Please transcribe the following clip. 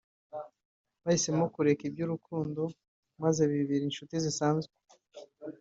bahisemo kureka iby’urukundo maze bibera inshuti zisanzwe